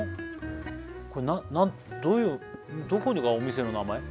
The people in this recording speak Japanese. これ何どういうどこがお店の名前？